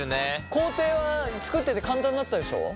工程は作ってて簡単だったでしょ？